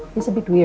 ini agak aneh ya